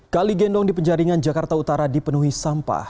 kali gendong di penjaringan jakarta utara dipenuhi sampah